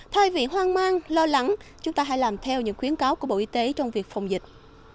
thay vì hoang mang lo lắng chúng ta hãy làm theo những khuyến cáo của bộ y tế trong việc phòng dịch